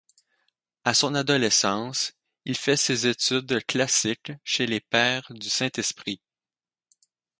À son adolescence, il fait ses études classiques chez les Pères du Saint-Esprit.